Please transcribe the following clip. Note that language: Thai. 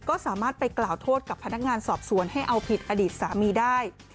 ก็สามารถไปกล่าวโทษกับพนักงานสอบสวนให้เอาผิดอดีตสามีได้